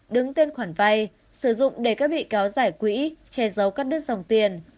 đứng tên khoản vay sử dụng để các bị cáo giải quỹ che giấu các đứa dòng tiền